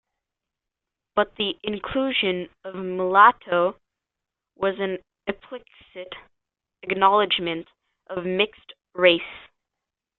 But, the inclusion of mulatto was an explicit acknowledgement of mixed race.